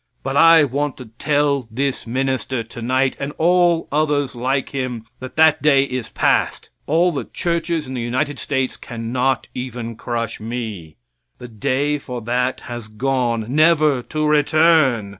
But I want to tell this minister tonight, and all others like him, that that day is passed. All the churches in the United States can not even crush me. The day for that has gone, never to return.